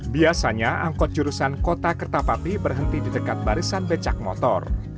biasanya angkot jurusan kota kertapati berhenti di dekat barisan becak motor